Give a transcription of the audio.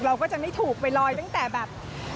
เราก็จะไม่ถูกไปลอยตั้งแต่แบบ